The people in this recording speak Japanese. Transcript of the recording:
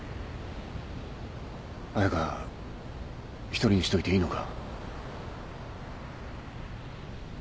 彩佳一人にしといていいのか？